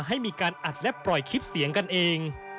ให้มีการอัดและปล่อยคลิปเสียงกันเอง